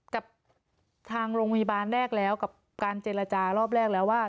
กับทางโรงพยาบาลแรกแล้วกับการเจรจารอบแรกแล้วว่า